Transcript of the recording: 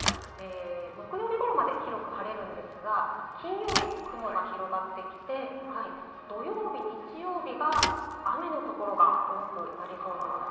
木曜日頃まで広く晴れるんですが、金曜日、雲が広がってきて、土曜日、日曜日が雨の所が多くなりそうなんです。